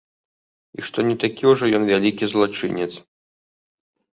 І што не такі ўжо ён вялікі злачынец.